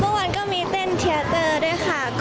เมื่อวานก็มีเต้นเทียเตอร์ด้วยค่ะ